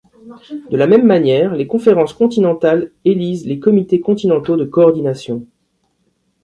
De la même manière, les Conférences continentales élisent les Comités continentaux de coordination.